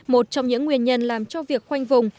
một trong những nguyên nhân làm cho việc khoanh vùng